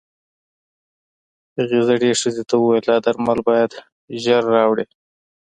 هغې زړې ښځې ته وويل دا درمل بايد ژر راوړې.